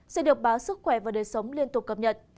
sẽ được báo sức khỏe và đời sống liên tục cập nhật